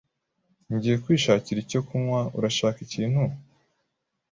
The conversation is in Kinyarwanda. Ngiye kwishakira icyo kunywa. Urashaka ikintu?